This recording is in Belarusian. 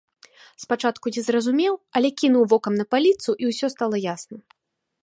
Спачатку не зразумеў, але кінуў вокам на паліцу, і ўсё стала ясна.